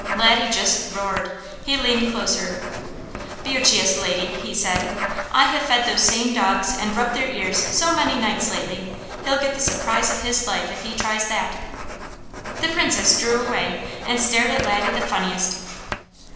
Laddie just roared. He leaned closer. "Beaucheous Lady," he said, "I have fed those same dogs and rubbed their ears so many nights lately, he'll get the surprise of his life if he tries that." The Princess drew away and stared at Laddie the funniest.